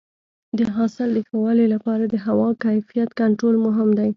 د حاصل د ښه والي لپاره د هوا کیفیت کنټرول مهم دی.